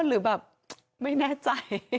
หรือแบบไม่แน่ใจ